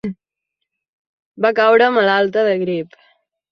Va caure malalta de grip.